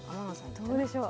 どうでしょう？